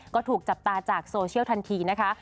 ก็ถูกจับตาจากโซเชียลทันทีนะคะ